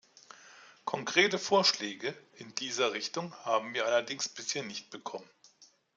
Konkrete Vorschläge in dieser Richtung haben wir allerdings bisher nicht bekommen.